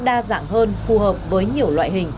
đa dạng hơn phù hợp với nhiều loại hình